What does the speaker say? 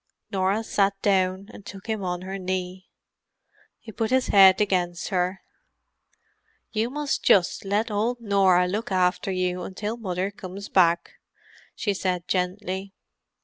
Norah sat down and took him on her knee. He put his head against her. "You must just let old Norah look after you until Mother comes back," she said gently.